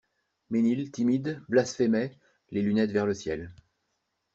Ménil, timide, blasphémait, les lunettes vers le ciel.